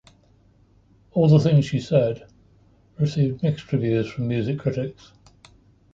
"All the Things She Said" received mixed reviews from music critics.